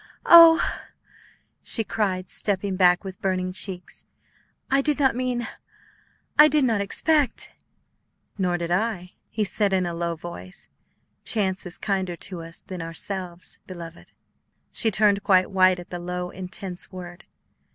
"Oh," she cried, stepping back with burning cheeks, "I did not mean I did not expect " "Nor did I," he said in a low voice; "chance is kinder to us than ourselves beloved." She turned quite white at the low, intense word.